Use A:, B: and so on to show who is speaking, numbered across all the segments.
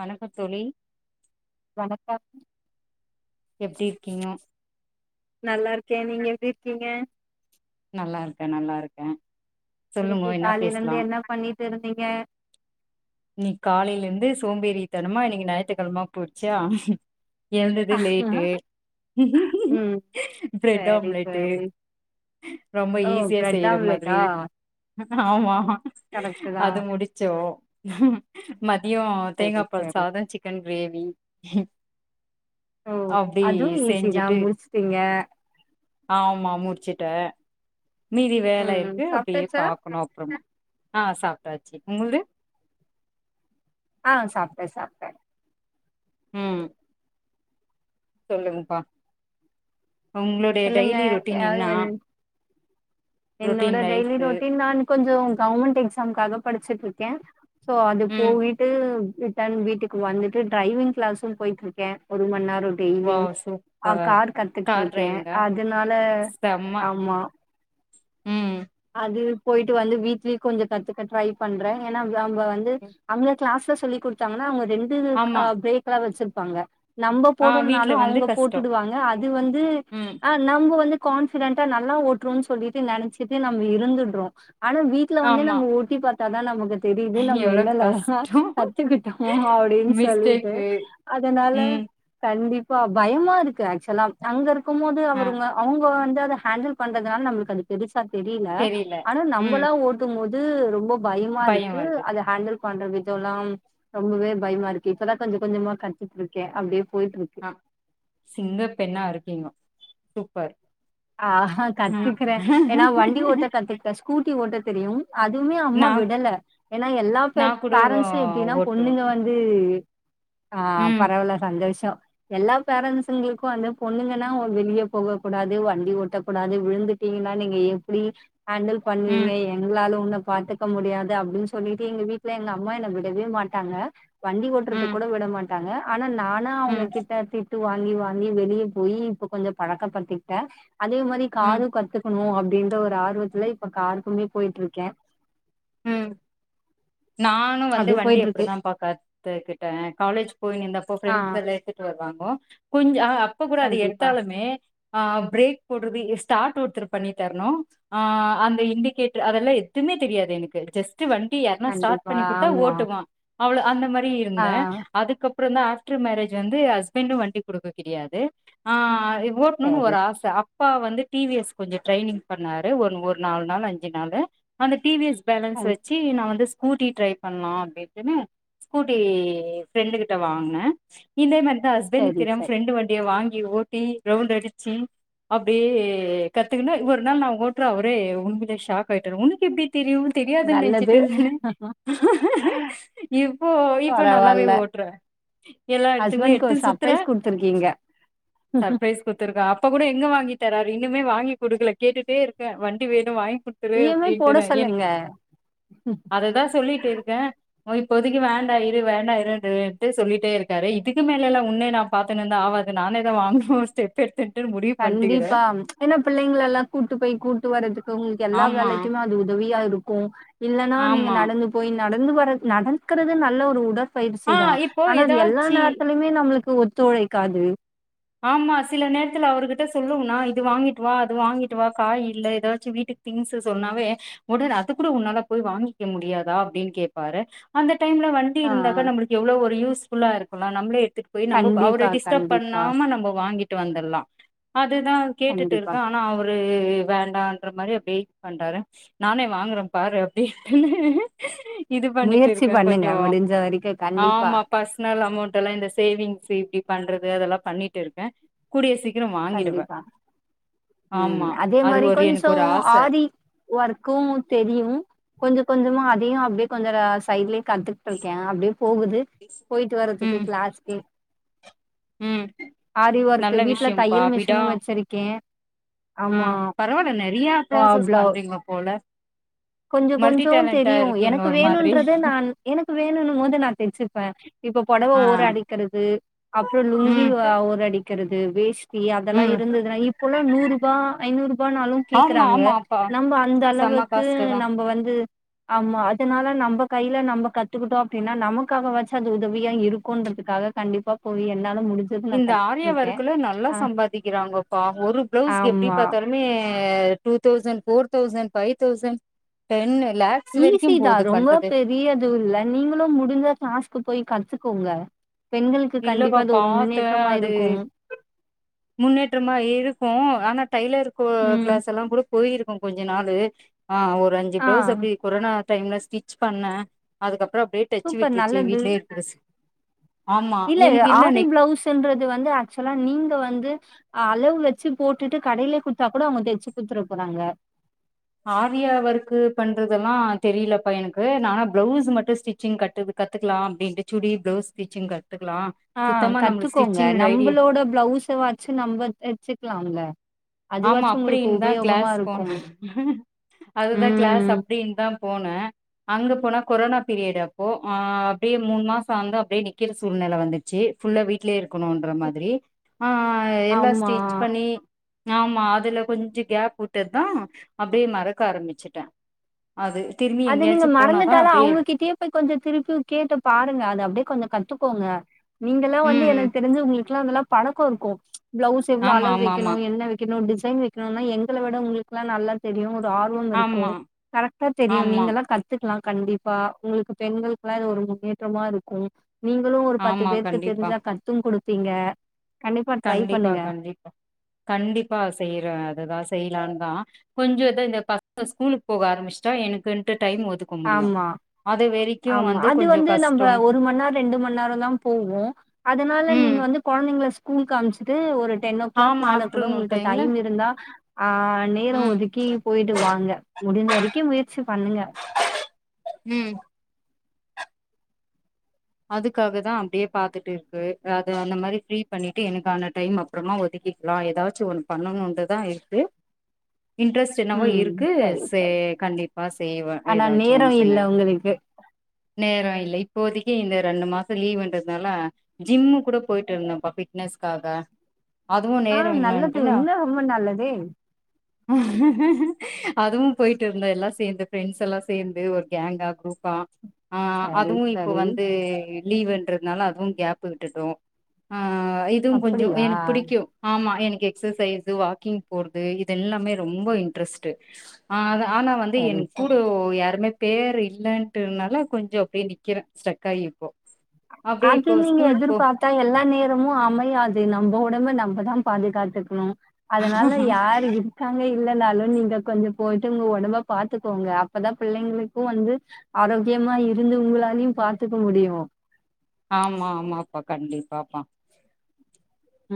A: வணக்கோ தோழி
B: வணக்கம்
A: எப்டி இருக்கீங்கொ
B: நல்லா இருக்கேன் நீங்க எப்டி இருக்கீங்க?
A: நல்லா இருக்கேன் நல்லா இருக்கேன்.
B: இன்னைக்கு காலைலந்து என்ன பண்ணிட்டு இருந்தீங்க
A: இன்னைக்கு காலைலந்து சோம்பேறித்தனமா இன்னைக்கு ஞாயித்துக்கிழம போச்சா எழுந்தது லேட்டு
B: ம்
A: பிரெட்
B: சரி
A: ஆம்லெட்டு்
B: சரி
A: ரொம்ப
B: ஓ
A: ஈஸியா
B: பிரெட்
A: செய்யற மாதிரி
B: ஆம்லெட்டா
A: ஆமா
B: கரெக்ட்டு தா
A: அது முடிச்சோ மதியோ
B: சரி
A: தேங்கா பால்
B: சரி
A: சாதோ சிக்கன் கிரேவி
B: ஓ
A: அப்டி
B: அதுவு ஈஸிதா
A: செஞ்சுட்டு
B: முடிச்சிட்டீங்க
A: ஆமா முடிச்சுட்ட மீதி வேல
B: ம்
A: இருக்கு அப்டியே
B: சாப்ட்டாச்சா
A: பாக்கணு அப்புறமா ஆ சாப்ட்டாச்சு உங்ள்து
B: ஆ சாப்ட்ட சாப்ட்ட
A: ம் சொல்லுங்ப்பா உங்களுடைய
B: சொல்லுங்க
A: டைய்லி ரொட்டீன்
B: அது
A: என்னா
B: என் என்னோட டைய்லி ரொட்டீன் நான் கொஞ்சோ கவர்மெண்ட் எக்ஸாம்காக படிச்சிட்டு இருக்க சோ அது போயிட்டு டன் வீட்டுக்கு வந்துட்டு டிரரைவிங் கிளாஸசும் போயிட்டு இருக்க ஒரு மண் நேரோ டெய்லியும்
A: வாவ்
B: ஆ
A: சூப்பர்
B: கார்
A: கார்
B: கத்துட்டுருக்க
A: டிரைவிங்கா
B: அதுனால
A: செம்ம
B: ஆமா
A: ம்
B: அது போயிட்டு வந்து வீட்ல கொஞ்சோ கத்துக்க ட்ரை பண்ற ஏனா அ அவுங்க வந்து கிளாஸ்ல சொல்லி் குடுத்தாங்கனா அவுங்க ரெண்டு
A: ஆமா
B: பிரேக் லா வெச்சிருப்பாங்க நம்ம
A: ஆ வீட்ல
B: போடுனாலு
A: வந்து
B: அவுங்க
A: கஷ்டோ
B: போட்டுடுவாங்க அது வந்து அ நம்ம வந்து கான்ஃபிடண்டா நல்லா ஓட்டுறோன்னு சொல்லிட்டு நெனச்சிட்டு நம்ம இருந்துர்றோ ஆனா வீ வீட்ல வந்து
A: ஆமா
B: நம்ம ஒட்டி பா த்தா நமக்கு தெரிது நம்ம
A: எவ்ளோ
B: என்னல்லா
A: கஷ்டோ
B: கத்துக்கிட்டோ அப்டின் சொல்லிட்டு
A: மிஸ்டேக்கு
B: அதனால
A: ம்
B: கண்டிப்பா பயமா இருக்கு ஆக்சுவலா அங்க இருக்கும்போது
A: ஆ
B: அவருங்க அவுங்க வந்து அத ஹேண்டல் பண்றதுனால நம்மளுக்கு அது பெருசா தெரில ஆனா
A: ம்
B: நம்மலா ஓட்டும்போது ரொம்ப பயமா
A: பயோ
B: இருக்கு
A: வருது
B: அத ஹேண்டில் பண்ற விதோல்லாம் ரொம்பவே பயமா இருக்கு இப்பதா கொஞ்ச கொஞ்சமா கத்துட்டு இருக்க அப்டியே போயிட்டு இரு
A: ஆ சிங்க பெண்ணா இருக்கீங்கோ சூப்பர்
B: ஆஹா
A: ம்
B: கத்துக்கறே ஏன்னா வண்டி ஓட்ட கத்துக்கிட்டே ஸ்கூட்டி ஓட்ட தெரியு அதுமே அம்மா
A: நா
B: விடல ஏன்னா எல்லா
A: நா
B: பேத்
A: கூட
B: பேரன்ஸ்ஸு எப்டின்னா
A: ஓட்டுவே
B: பொண்ணுங்க வ வந்து ஆ
A: ம்
B: பரவல சந்தோஷோ எல்லா பேரன்ஸ்ஸுங்களுக்கு வந்து பொண்ணுங்கன்னா ஒ வெளிய போகக்க கூடாது வண் டி ஒட்டக்கூடாது விழுந்துட்டீங்கன்ன நீங்க எப்படி ஹேண்டில் பண்ணுவீங்க
A: ம்
B: எங்ளால உன்ன பாத்துக் க முடியாது அப்டின் சொல்லிட்டு எங்க வீட்டுல எங்க அம்மா என்ன விடவே மாட்டாங்க வண்டி ஓட்டுறதுக்கு
A: ம்
B: கூட விட மாட் ட்டாங்க ஆனா நானா அவங்க
A: ம்
B: கிட்ட திட் டு வாங்கி வாங்கி வெளிய போய் இப்ப கொஞ்ச பழக்க பத்திக்கிட்டே அதே மாரி
A: ம்
B: கரு கத்துக்கணு அப்டின்ற ஒரு ஆர்வத்துல இப்ப காருக்குமே போயிட்ருக்கே
A: ம் நானு வந்து
B: அப்டியே
A: வண்டி
B: போயிட்டு இருக்கு
A: எப்டிதா பாக்காத் துக்கிட்டே காலேஜ் போயினுந்தப்போ
B: ஆ
A: ஃபிரெண்ட்ஸ் எல்லா எடுத்துட்டு வருவாங்கோ கொஞ் ஆ அப் இப்ப கூட அது
B: கண்டிப்பா
A: எடுத்தாலுமே ஆ பிரேக் போடுறது எ ஸ்டார்ட் ஒருத்தர் பண்ணி தரணு ஆ அந்த இண்டிகேட்டர் அதெல்லா எதுவுமே தெரியாது எனுக் க ஜஸ்ட்டு வண்டி யார்னா ஸ்டார்ட்
B: கண்டிப்பா
A: பண்ணி குடுத்தா
B: ஆமா
A: ஓட்டுவா அவ்ளோ அந்த மாரி
B: ஆ
A: இருந்தே அதுக்கப்றோ தா ஆப்டர் மேரேஜ் வந்து ஹஸ்பண்ட்டு வண்டி குடுக்க கிடையாது ஆ வ் ஓட்ணுன்னு
B: சரி
A: ஒரு ஆச அப் ப்பா வந்து டி வி எஸ் கொஞ்ச ட்ரைனிங் பண்ணாரு ஒன் ஒரு நாலு நாள் அஞ்சு நாளு அந்த டி வி எஸ் பேலன்ஸ்
B: கண்
A: வச்சு நா வந்து ஸ்கூட்டி ட்ரைவ் பண்ணலா அப்டின்ட்டுன்னு ஸ்கூட்டி ஃப்ரெண்ட் கிட்ட வாங்ன இந்தே மாரி தா ஹஸ்பண்டக்கு
B: சரி
A: தெரியாம
B: சரி
A: ஃப்ரெண்டு வண்டிய வாங்கி ஓட்டி ரவுண்ட்டு அடிச்சு அப்டியே கத்துக்கனா இ ஒரு நாள் நா ஓட்டுற அவரே உண்மையிலே ஷாக் ஆயிட்டாரு உனக்கு எப்டி தெரியு தெரியாதுன்னு
B: நல்லது
A: நெனச்சுட்டு இருந் இப்போ இப்ப நல்லாவே
B: பரவால்ல
A: ஓட்ற எல்லா எடுத்துக்குமே
B: ஹஸ்பண்ட்க்கு ஒரு
A: எடுத்துன்னு சுத்துற
B: சர்ப்ரைஸ் குடுத்துருக்கீங்க
A: சர்ப்ரைஸ் குத்துருக்க அப்ப கூட எங்க வாங்கி தராரு இன்னுமே வாங்கி குடுக்கல கேட்டுட்டே இருக்கே வண்டி வேணு வாங்கி குடு
B: இ எம் ஐ போட சொல்லுங்க
A: அதுதா சொல்லிட்டு இருக்கே ஓ இப்போதைக்கு வேண்டா இரு வேண்டா இரு [unintelligible] சொல்லிட்டே இருக்காரு இதுக்கு மேல எல்லா உன்னே நாப் பாத்துன்னுந்தா ஆவாது நானேதா வாங்கன்னு ஸ்டெப் பெட் தென்டர் முடி
B: கண்டிப்பா ம்ச் ஏன்னா பிள்ளைங்கள எல்லா கூட்டு போய் கூட் ட்டு வரதுக்கு உங்களுக்கு எல்லா
A: ஆமா
B: வேலைக்குமே அது உதவியா இருக்கு இல்லன்னா நீங்க
A: ஆமா
B: நடந்துப் போய் நடந்து வரத் நடந்த்கறது நல்ல ஒரு உடற்பயிற்சி
A: ஆ
B: தா
A: இப்போ
B: ஆனா அது எல்லா
A: ஏதாச்சி
B: நேரத்திலயுமே இதே நம்மளுக்கு ஒத்துழைக்காது
A: ஆமா சில நேரத்துல அவர்கிட்ட சொல்லுவனா இது வாங்கிட்டு வா அது வாங்கிட்டு வா காய் இல்ல ஏதாச்சு வீட்டுக் திங்ஸ்ஸு சொன்னாவே உடர் அது கூட உன்னால போய் வாங்கிக்க முடியாதா அப்டின் கேப்பாரு அந்த டைம்ல வண்டி
B: ஆ
A: இருந்தாக்க நம்பளுக்கு எவ்ளோ ஒரு யூஸ்ஃபுல்லா இருக்குல நம்ளே எடுத்துட் போய் நம்ப ப
B: கண்டிப்பா
A: அவர டிஸ்டர்ப் பண்
B: கண்டிப்பா
A: நாம நம்ப வாங்கிட்டு வந்துர்லா அதுதா கேட்டுட்டு
B: கண்டிப்பா
A: இருக்கா ஆனா அவரு வேண்டன்ற மாரி அப்டியே பண்றாரு நானே வாங்குறே பாரு அப்டின்னு சொன்னே இது பண்ணிட்டு
B: முயற்சி
A: இருக்கே
B: பண்ணுங்க
A: கொஞ்சோ
B: முடிஞ்ச வரைக்கு கண்டிப்பா
A: ஆமா பர்சனல் அமௌண்ட் எல்லா இந்த சேவிங்ஸ்ஸு இப்டி பண்றது அதெல்லா பண்ணிட்டு இருக்கே கூடிய சீக்கிரோ வாங்கிடுவே
B: கண்டிப்பா ம்
A: ஆமா
B: அதே
A: அது
B: மாரி
A: ஒரு எனக்கு
B: கொஞ்சோ
A: ஒரு ஆச
B: ஆரி ஒர்க்கு தெரியு கொஞ்சோ கொஞ்சமா அதையு அப்டியே கொஞ்சரா சைட்லே கத்துக்கிட்ருக்கே அப்டியே போகுது போயிட்டு வர்றதுக்கு
A: ம்
B: கிளாஸ்க்கே
A: ம்
B: ஆரி ஒர்க்கு
A: நல்ல
B: வீட்ல
A: விஷயம்ப்பா
B: தையல்
A: விடா
B: மிஷினு வச்சிருக்கே
A: ஆ
B: ஆமா
A: பரவால்ல நறையா
B: பா
A: ப்ராசஸ் பண்றீங்க போல
B: கொஞ்ச
A: மல்டி
B: கொஞ்சோ
A: டேலண்டா
B: தெரியு
A: இருக்கீங்க
B: எனக்கு
A: ஒரு மாதிரி
B: வேணுன்றத நா எனக்கு வேணுன்னும் போது நான் தெ்சுப்ப இப்ப பொடவ
A: ஆ
B: ஓர அடிக்கிறது அப்புறோ லுங்கி
A: ம்
B: வ ஓர அடிக்கிறது வேஷ்ட் டி அதெல்லா
A: ம்
B: இருந்ததுன்னா இப்பல்லா நூறுபா ஐநூரூபாநாலு கேக்குறாங்க நம்ப அந்த அளவுக்கு
A: குதா
B: நம்ம வந்து ஆமா அதனால நம்ப கைல நம்ம கத்துக்கிட்டோ அப்டின்னா நமக்காக வாச்சு அது உதவியா இருக்குன்றதுக்காக கண்டிப்பா போய் என்னால முடிஞ்ச
A: இந்த ஆரியா வொர்க்ல நல்லா சம்பாதிக்கிறாங்கப்பா ஒரு பிளவுஸ்கு எப்டி
B: ஆமா.
A: பாத்தாலு மே two thousand four thousand five thousand ten lakh
B: easy தா ரொம்ப பெரியது இல்ல நீங்களு முடிஞ்சா க்ளாஸ்க்கு போய் கத்துக்கோங்க பெண்களுக்கு
A: இல்லப்பா
B: கண்டிப்பா அது ஒரு
A: பாத்தே
B: முன்னேற்றமா
A: அது
B: இருக்கும்
A: முன்னேற்றமா இருக்கு ஆனா டைலர் கோ
B: ம்.
A: க்ளஸ் எல்லா கூட போயிருக்கோ கொஞ்ச நாளு ஆ ஒரு அஞ்சு
B: ஆ
A: ப்ளவ்ஸ் அப்டி கொரோனா டைம்ல ஸ்டிச் பண்ண அதுக்கப்றோ அப்டியே டச்சு
B: சூப்பர்
A: விட்ருச்சி
B: நல்லது.
A: வீட்லியே இருக்குசு ஆமா
B: இல்ல ஆரா ப்ளவுஸ்ன்றது வந்து ஆக்சுவலா நீங்க வந்து அளவு வச்சு போட்டுட்டு கடைலே குடுத்தா கூட அவங்க தச்சு குத்துட்ட போறாங்க
A: ஆரியா ஒர்க் பண்றதெல்லா தெரிலப்பா எனக்கு நா ஆனா ப்ளவுஸ் மட்டு ஸ்டிச்சிங் கட்டு கத்துக்லா அப்டின்ட்டு சுடி ப்ளவுஸ் ஸ்டிச்சிங் கத்துக்லா
B: ஆ கத்துக்கோங்க நம்பளோட ப்ளவுஸ வாச்சு நம்ம தச்சிக்கலாம்ல்ல
A: ஆமா அப்படின் தா க்ளஸ் போன அதுதா க்ளஸ்
B: ம்.
A: அப்டின் இந்தா போன அங்க போனா கொரோனா பீரியட் அப்போ ஆ அப்டியே மூணு மாசம் அந்த அப்டியே நிக்கிற சூழ்நில வந்து சு ஃபுல்லா வீட்லே இருக்கணுன்ற மாதிரி ஆ எல்லா
B: ஆமா.
A: ஸ்டிச் பண்ணி ஆமா அதுல கொஞ்ச கேப் விட்டதா அப்டியே மறக்க ஆரம்மிச்சுட்ட அது திரும்பி எங்கயாச்சு போனா தா அப்டியே
B: அப்ப கொஞ்சோ திருப்பி கேட்டு பாருங்க அதைன அப்டியே கொஞ்சோ கத்துக்கோங்க நீங்கல்லா வந்து
A: ம்
B: எனக்கு தெரிஞ்சு உங்ளுக் குலா நல்லா பழக்கோ இருக்கு ப்ளவ்ஸ் எவ்ள
A: ஆமா
B: அளவு
A: ஆமா
B: வைக்கணு
A: ஆமா
B: என்ன வெக் க்கனூ டிசைன் வைக்கணுனா எங்கள விட உங்களுக்குல்லா நல்லா தெரியு ஒரு ஆர்வம் இருக்கு
A: ஆமா
B: கரெக்டா தெரியு
A: ஆமா
B: நீங்கல்லா கத்துக்லா கண்டிப்பா உங்களுக்கு பெண்களுக்குல்லா இது ஒரு முன்னேற்றமா இருக்கு நீங்களு ஒரு பத்து
A: ஆமா
B: பேருக்கு
A: கண்டிப்பா
B: தெரிஞ்சா கத்து குடுப்பீங்க கண்டிப்பா ட்ரை பண்ணுங்க
A: கண்டிப்பா செய்யற அதுதா செய்லான் தா கொஞ்சோ ஏது இந்த பசங்க ஸ்கூலுக்கு போக ஆரம்பிச்சிட்டா எனங்குட்டு டைம் ஒதுக்க முடியு
B: ஆமா
A: அத வெரைக்
B: ஆமா அது வந்து நம்ம ஒரு மண் நேரோ ரெண்டு மண் நேரோந் தா போவோ அதனால
A: ம்
B: நீங்க வந்து கொழைந்தைங்கல ஸ்கூல்க்கு அம்ச்சு ட்டு ஒரு டென் ஓ க்ளாக்
A: ஆமா
B: மேல கூட
A: ஆஃப்டர்நூன்
B: உங்களுக்கு
A: டைம்ல
B: டைம் இருந்தா ஆ நேரோ
A: ம்
B: ஒதுக்கி போய்டு வாங்க முடிஞ்ச வரைக்கு முயற்சி பண்ணுங்க
A: ம் அதுக்காக தா அப்படியே பாத்துட்டு இருக்கு அது அந்த மாரி ஃப்ரீ பண்ணிட்டு எனக்கான டைம் அப்றமா ஒதுக்கிக்லா ஏதாச்சுமஒண்ணு பண்ணணுன்டுதா இருக்கு இன்ட்ரெஸ்ட் தின்னவோ
B: ம்.
A: இருக்கு
B: சரி,
A: செ
B: சரி.
A: கண்டிப்பா செய்வ
B: ஆனா
A: ஏதாச்சு ஒன்னு
B: நேரம் இல்ல
A: செய்வ
B: உங்களுக்கு.
A: நேரா இல்லை இப்போதிக் ஏ இந்த ரெண்டு மாச லீவ்ண்றதுனால ஜிம்மு கூட போயிட்டு இருந்தோம்ப்பா பிட்னஸ்காக அதுவு
B: ஆ
A: நேரோ
B: நல்லது.
A: இல்லன்ட்டு நா
B: இன்னும் ரொம்ப நல்லதே.
A: அதுவு போயிட்டு இருந்தோ எல்லா சேந்து ஃப்ரெண்ட்ஸ் எல்லா சேந்து ஒரு கேங்கா குரூப்பா ஆ
B: சரி,
A: அதுவு இப்
B: சரி.
A: து லீவுன்றதுனால அதுவு கேப்பு விட்டுட்டோ அ இதுவு கொஞ்சொ
B: அப்படியா?
A: எனக் பிடிக்கு ஆமா எனக்கு எக்ஸசைஸ்ஸு வாக்கிங் போறது இது எல்லாமே ரொம்ப இன்ட்ரஸ்ட்டு ஆ அதா ஆனா வந்து
B: சரி,
A: என்
B: சரி.
A: கூடோ யாருமே பேர் இல்லட்டுனால கொஞ்சோ அப்டியே நிக் கிறே ஸ்ட்ரக் ஆயி
B: அது நீங்க எதிர் பா தா எல்லா நேரமு அமையாது நம்ம ஒடம்ப நம்பதா பாதுகாத்துக்கணு அதுனால யாரு இது இருக்காங்க இல்லனாலு நீங்க கொஞ்சோ போயிட்டு ஒங்க ஒடம்ப பாத்துக்கோங்க அப்பதா பிள்ளைங்களுக்கு வந்து ஆரோக்கியமா இருந்து ஒங்களாளயு பாத்துக்க முடியு
A: ஆமா ஆமாப்பா கண்டிபாப்பா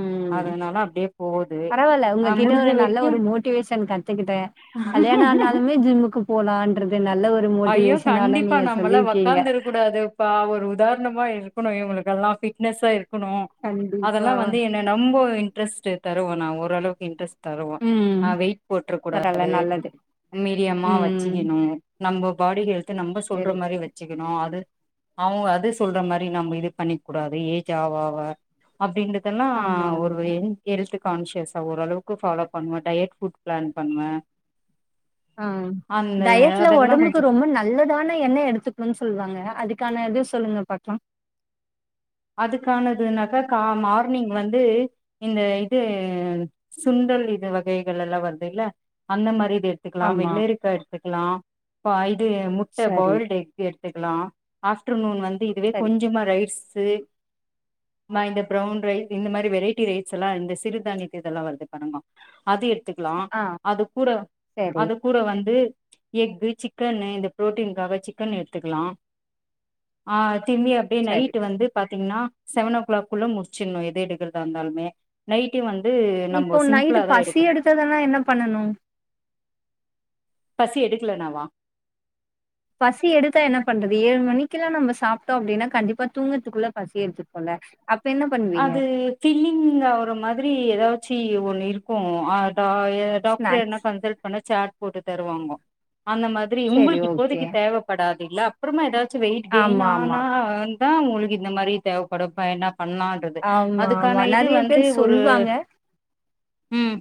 B: ம்
A: அப்டியே போது
B: பரவால்ல
A: ஆ
B: ஒங்ககிட்ட
A: முடிஞ்ச
B: ஒரு நல்ல
A: வரைக்கு
B: ஒரு மோ ட்டிவேஷன் கத்துக்கிட்டே கல்யாணோ ஆனாலுமே ஜிம்முக்கு போலான்றது நல்ல ஒரு
A: ஐயோ
B: மோட்டிவேஷனால நீங்க சொல்லிருக்கீங்க
A: ப்பா ஒரு உதாரணமா இருக்கணு இவங்களுக்கல்லா பிட்னஸ்சா இருக்கணு அதல்லா
B: கண்டிப்பா.
A: வந்து எங் ன நொம்போ இன்ட்ரஸ்ட்டு தருவோ நா ஓரளவுக்கு இன்ட்ரஸ்ட் தருவோ
B: ம்.
A: நா வெயிட் போட்ரக்
B: பரவால்ல
A: கூடாது
B: நல்லது.
A: மீடியமா
B: ம்.
A: வச்சிக்கணு நம்ப பாடி ஹெல்து நம்ம சொல்ற
B: சரி,
A: மாரி
B: சரி.
A: வச்சுக் க்கனு அது அவ்ங்க அது சொல்ற மாரி நாம்ம இது பண்ணிக் கூடாது ஏஜ் ஆவ ஆவ அப்டின்றதல்லா
B: ஆமா,
A: ஒரு
B: ஆமா.
A: வே ஹெல்த்து கான்சியஸ ஓரளவுக்கு ஃபாலோ பண்ணுவே டயட் ஃபுட் பிளான் பண்ணுவே
B: ஆ
A: அந்த
B: டயட்ல
A: அதெல்லா கொஞ்சோ
B: ஒடம்புக்கு ரொம்ப நல் நல்லதான என்ன எடுத்துக்கனுன் சொல்லுவாங்க அதுக்கான இது சொல்லுங்க பாக்லா
A: அதுக்கானதுனாக்கா கா மார்னிங் வந்து இந்த இது சுண்டல் இது வகைகள் எல்லா வருதுல அந்த மாரி இது எடுத்துக்கலா
B: ஆமா
A: வெள்ளரிக்கா எடுத்துக்கலா பா இது முட்ட
B: சரி
A: பாயில்டு எக்கு எடுத்துக்கலா ஆஃப்டர்நூன் வந்து இதுவே
B: சரி
A: கொஞ்சமா ரைஸு மா இந்த ப்ரவுன் ரைஸ் இந்த மாரி வெரைட்டி ரைஸல்லா இந்த சிறுதானியத்து இதல்லா வருது பாருங்கோ அது எடுத்துக்கலா
B: ஆ
A: அது கூட
B: சரி
A: அது கூட வந்து எக்கு சிக்கனு இந்த பு்ரோட்டீனுக்காக சிக்கன் எடுத்துக்கலா ஆ தின்னியப் அப்டியே
B: சரி
A: நைட்டு வந்து பாத்தீங்கன்னா செவன் ஓ கிளாக் குள்ள முடிச்சிற்ணும் எத எடுக்கிறதா இருந்தாலுமே நைட்டு வந்து
B: இப்போ
A: நம்ம
B: நைட்டு
A: சிம்பிளா தா எடுக்கணு
B: [unintelligible] என்ன பண்ணனு
A: பசி எடுக்கலனாவா?
B: பசி எடுத்தா என்ன பண்றது ஏழு மணிக்கில்லா நம்ம சாப்ட்டோ அப்டினா கண்டிப்பா தூங்ரதுக்குள்ள பசி எடுத்துரு குல்ல அப்ப என்ன பண்ணுவீங்க
A: ஃபில்லிங்கா ஆகுற மாதிரி ஏதாச்சு ஒண்ணு இருக்கு ஆர் [unintelligible] டாக்ட்ரு
B: ஸ்நாக்ஸ்
A: என்னா கன்சல் பண்ணா சாட் போட்டு தருவாங்கோ அந்த மாரி த்ரி
B: சரி
A: இங்குளுக்கு
B: ஓகே
A: இப்போதைக்கு தேவைப்படாது இல்ல அப்பறமா ஏதாச்சு வெயிட் கெய்ன்
B: ஆமா ஆமா
A: ஆனா தா உங்குளுக்கு இந்த மாரி தேவைப்படு இப்ப என்னா பண்லா குது
B: ஆமா ஆமா
A: அதுக்கான இது
B: நெறைய
A: வந்து
B: பேர்
A: ஒரு
B: சொல்வாங்க
A: ம்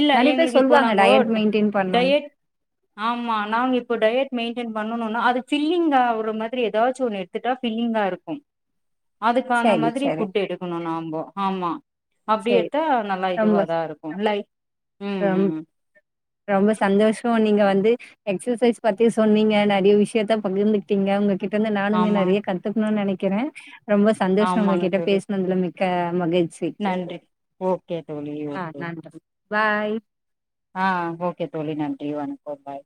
A: இல்ல
B: நெறைய பேர்
A: எங்க்ளுக்கு இப்போ
B: சொல்வாங்க
A: நாங்கோ
B: டயட் மெயின்டெயின் பண்ணோனு
A: டயட் ஆமா நாங்க இப்போ டயட் மெயின்டெயன் பண்ணணுனா அது ஃபில்லிங் ஆகுற மாரி ஏதாச்சு ஒரு திட்டா ஃபில்லிங்கா இருக்கு அதுக்கான
B: சரி
A: மாதிரி
B: சரி
A: ஃபுட் எடுக்கணு நாம்போ ஆமா அப்டி
B: சரி
A: எடுத்தா நல்லா
B: ரொம்ப
A: இதுவாதா இருக்கு லை ம்
B: ரொம்ப
A: ம் ம்
B: ரொம்ப சந்தோஷோ நீங்க வந்து எக்சசைஸ் பத்தி சொன்னீங்க நறைய விஷயத்த பகிர்ந்துகிட்டிங்க உங்க கிட்ட இருந்து நானுமே
A: ஆமா
B: நறைய கத்துக்கணுனு நெனைக்கிறே ரொம்ப சந்தோஷோ உங்க
A: ஆமாங்க
B: கிட்ட
A: தோழி
B: பேசுனதுல மி க்க மகிழ்ச்சி
A: நன்றி ஓகே தோழி
B: ஆ
A: ஓகே
B: நன்றி பாய்
A: ஆ ஓகே தோழி நன்றி வணக்கோ பாய்